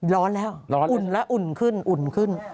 ร้อนแล้วร้อนอุ่นแล้วอุ่นขึ้นอุ่นขึ้น